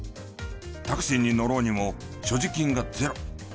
タクシーに乗ろうにも所持金がゼロ。